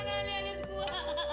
udah butik lagi gua